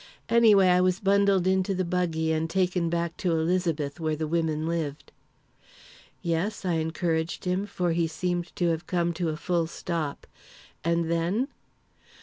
Anyway, I was bundled into the buggy and taken back to Elizabeth, where the women lived." "Yes," I encouraged him, for he seemed to have come to a full stop; "and then?"